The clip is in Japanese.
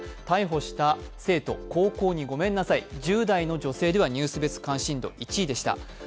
逮捕した生徒、高校にごめんなさい１０代の女性ではニュース別関心度１位でした。